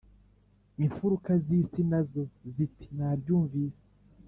imfuruka zisi nazo ziti nabyumvise